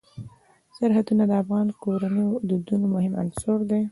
سرحدونه د افغان کورنیو د دودونو مهم عنصر دی.